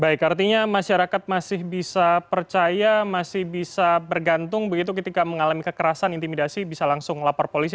baik artinya masyarakat masih bisa percaya masih bisa bergantung begitu ketika mengalami kekerasan intimidasi bisa langsung lapor polisi